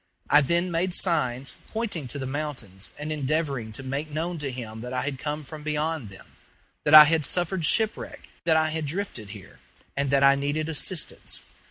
I then made signs, pointing to the mountains and endeavoring to make known to him that I had come from beyond them that I had suffered shipwreck, that I had drifted here, and that I needed assistance.